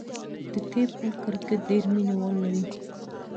د ټیپ بال کرکټ ډېر مینه وال لري.